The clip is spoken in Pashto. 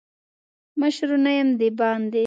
مشرو نه یم دباندي.